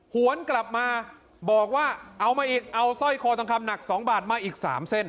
หวนกลับมาบอกว่าเอามาอีกเอาสร้อยคอทองคำหนัก๒บาทมาอีก๓เส้น